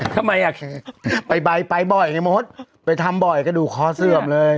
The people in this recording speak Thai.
ทำไมอ่ะเคไปไปบ่อยไงมดไปทำบ่อยกระดูกคอเสื่อมเลย